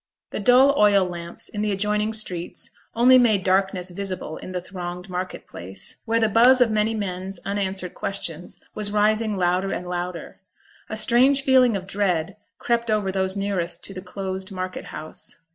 The dull oil lamps in the adjoining streets only made darkness visible in the thronged market place, where the buzz of many men's unanswered questions was rising louder and louder. A strange feeling of dread crept over those nearest to the closed market house.